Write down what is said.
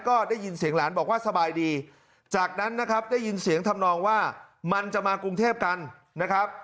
ก็ได้ยินเสียงหลานบอกว่าสบายดีจากนั้นนะครับได้ยินเสียงทำนองว่ามันจะมากรุงเทพกันนะครับ